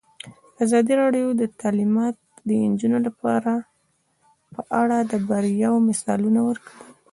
ازادي راډیو د تعلیمات د نجونو لپاره په اړه د بریاوو مثالونه ورکړي.